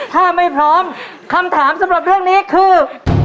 ถ้าไม่พร้อมคำถามสำหรับเรื่องนี้คือ